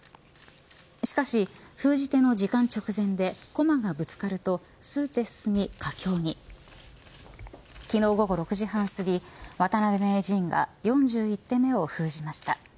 しかし封じ手の時間直前で駒がぶつかると数手進み佳境に昨日午後６時半すぎ渡辺名人が４１手目を封じました。